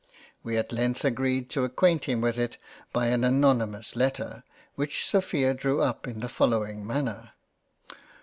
... We at length agreed to acquaint him with it by an anony mous Letter which Sophia drew up in the following manner.